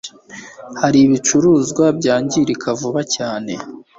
har'ibicuruzwa byangirika vuba cyane